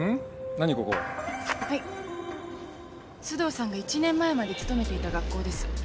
須藤さんが１年前まで勤めていた学校です。